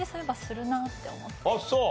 あっそう。